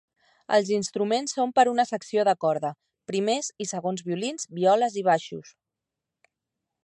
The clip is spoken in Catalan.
Els instruments són per a una secció de corda: primers i segons violins, violes i baixos..